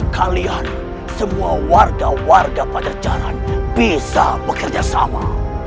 kalian semua warga warga pada jalan bisa bekerja sama